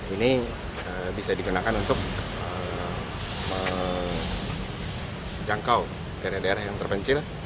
ini bisa digunakan untuk menjangkau daerah daerah yang terpencil